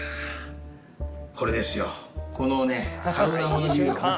これですよ。